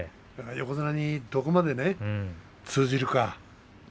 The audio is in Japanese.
横綱にどこまで通じるか。